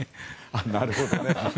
なるほどね。